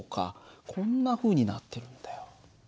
こんなふうになってるんだよ。